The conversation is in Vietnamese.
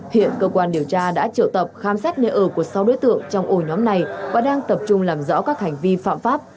hiện cơ quan điều tra đã triệu tập khám xét nơi ở của sáu đối tượng trong ổ nhóm này và đang tập trung làm rõ các hành vi phạm pháp